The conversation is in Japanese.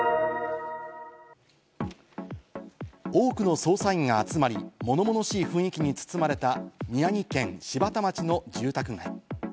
多くの捜査員が集まり、物々しい雰囲気に包まれた、宮城県柴田町の住宅街。